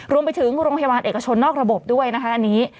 รวมไปถึงโรงพยาบาลเอกชนนอกระบบด้วยนะคะอันนี้